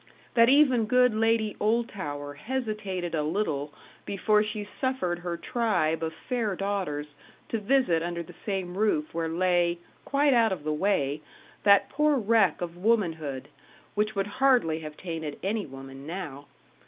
That even good Lady Oldtower hesitated a little before she suffered her tribe of fair daughters to visit under the same roof where lay, quite out of the way, that poor wreck of womanhood, which would hardly have tainted any woman now.